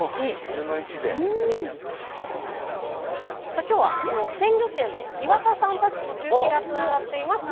さあ今日はその鮮魚店の岩田さんたちと中継がつながっています。